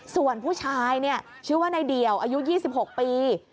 ส่วนผู้ชายชื่อว่านายเดี่ยวอายุ๒๖ปี